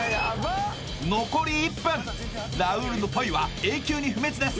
残り１分ラウールのポイは永久に不滅です